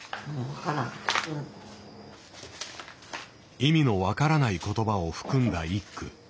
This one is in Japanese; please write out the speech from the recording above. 意味の分からない言葉を含んだ１句。